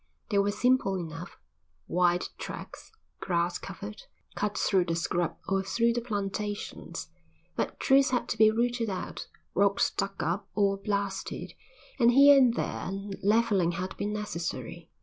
They were simple enough, wide tracks, grass covered, cut through the scrub or through the plantations; but trees had to be rooted out, rocks dug up or blasted, and here and there levelling had been necessary.